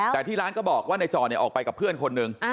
แต่ที่ร้านก็บอกว่าในจอเนี่ยออกไปกับเพื่อนคนหนึ่ง